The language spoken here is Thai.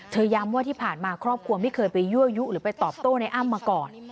ย้ำว่าที่ผ่านมาครอบครัวไม่เคยไปยั่วยุหรือไปตอบโต้ในอ้ำมาก่อน